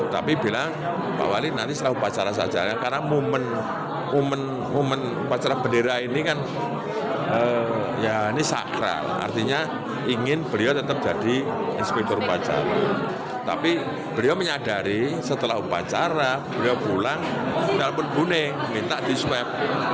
tapi beliau menyadari setelah upacara beliau pulang dalam berbuning minta disuap